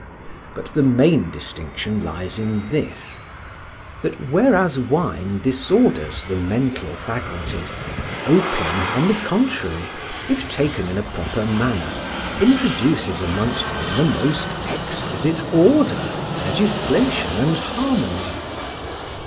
But the main distinction lies in this, that whereas wine disorders the mental faculties, opium, on the contrary (if taken in a proper manner), introduces amongst them the most exquisite order, legislation, and harmony.